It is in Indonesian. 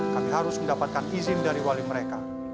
kami harus mendapatkan izin dari wali mereka